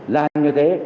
làm như thế